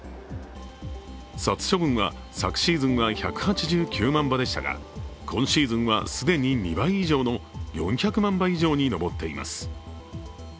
殺処分は、昨シーズンは１８９万羽でしたが今シーズンは既に２倍以上の４００万羽以上に上っています。